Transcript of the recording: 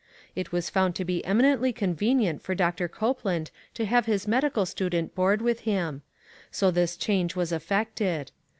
It was found to be eminently convenient for Doctor Copeland to have his medical stu dent board with him ; so this change was effected.